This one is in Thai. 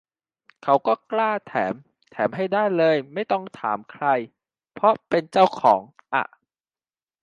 เขาก็กล้าแถม แถมให้ได้เลยไม่ต้องถามใคร เพราะเป็นเจ้าของอะ